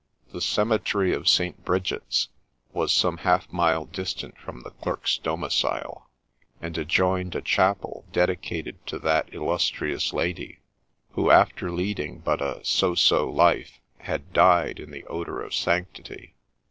The cemetery of St. Bridget's was some half mile distant from the Clerk s domicile, and adjoined a chapel dedicated to that illustrious lady, who, after leading but a so so life, had died in the odour of sanctity.